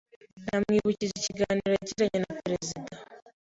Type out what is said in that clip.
Namwibukije ikiganiro yagiranye na perezida.